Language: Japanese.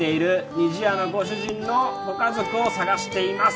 「にじやのご主人のご家族を探しています」